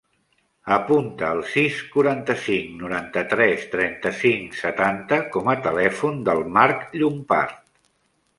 Apunta el sis, quaranta-cinc, noranta-tres, trenta-cinc, setanta com a telèfon del Mark Llompart.